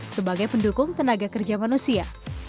sebagai pendukung tenaga kerja manusia